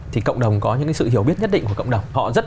thì cộng đồng có những sự hiểu biết nhất định của cộng đồng